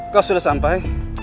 kau sudah sampai